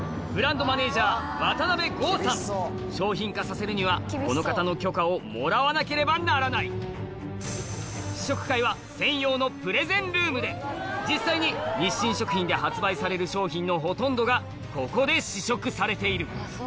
商品化させるにはこの方の許可をもらわなければならない試食会は専用のプレゼンルームで実際に日清食品で発売される商品のほとんどがここで試食されている